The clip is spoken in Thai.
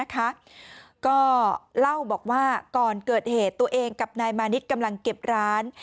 ก็เล่าบอกว่าก่อนเกิดเหตุตัวเองกับนายมานิดกำลังเก็บร้าน